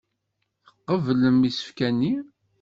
Tqeblem isefka-nni.